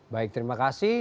baik terima kasih